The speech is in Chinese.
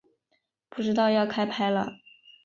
不知道要开拍了